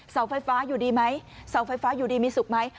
เสาไฟฟ้าอยู่ดีไหมเสาไฟฟ้าอยู่ดีมีสุขไหม